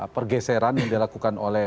pergeseran yang dilakukan oleh